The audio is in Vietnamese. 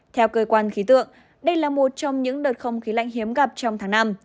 theo cơ quan khí tượng đây là một trong những đợt không khí lạnh hiếm gặp trong tháng năm